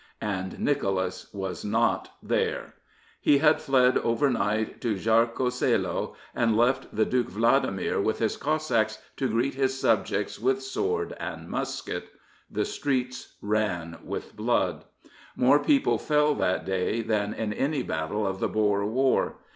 And Nicholas was not there I He had fled overnight to Tsarskoe Selo, and left the Duke Vladimir with his Cossacks to greet his subjects with sword and musket. The streets ran with blood. More people fell that day than in any battle of the Boer War.